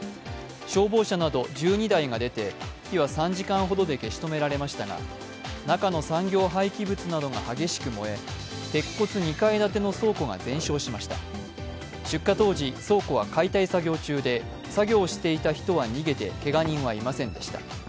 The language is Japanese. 消防車など１２台が出て、火は３時間ほどで消し止められましたが、中の産業廃棄物などが激しく燃え、鉄骨２階建ての倉庫が全焼しました出火当時、倉庫は解体作業中で作業していた人は逃げてけが人はいませんでした。